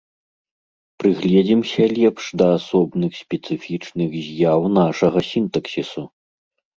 Прыгледзімся лепш да асобных спецыфічных з'яў нашага сінтаксісу.